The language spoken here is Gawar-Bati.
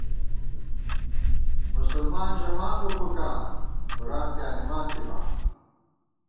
مسلمان ژَمان بہ فُکاں ، قرآن پیانِمانتِبا